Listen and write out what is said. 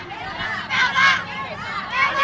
มันเป็นปัญหาจัดการอะไรครับ